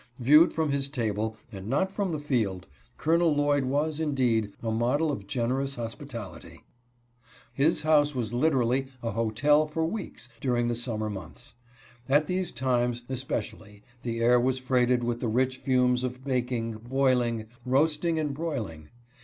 Viewed from his table, and not from the field, Colonel Lloyd was, indeed, a model of generous hospitality. His 68 OLD BAENEY THE HOSTLER. house was literally a hotel for weeks, during the summer months. At these times, especially, the air was freighted with the rich fumes of baking, boiling, roasting, and broil ing.